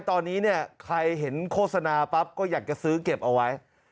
ตอนนี้เนี่ยใครเห็นโฆษณาปั๊บก็อยากจะซื้อเก็บเอาไว้